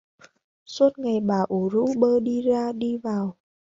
Suốt ngày bà ủ rũ bơ đi ra đi vào